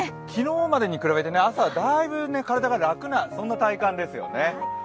昨日までに比べて朝だいぶ体が楽な体感ですよね。